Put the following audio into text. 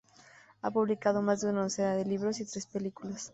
Ha publicado más de una docena de libros y tres películas.